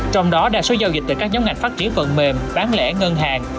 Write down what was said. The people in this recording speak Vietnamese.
trong đó đa số giao dịch từ các nhóm ngành phát triển phần mềm bán lẻ ngân hàng